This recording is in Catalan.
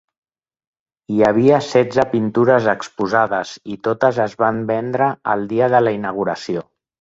Hi havia setze pintures exposades i totes es van vendre el dia de la inauguració.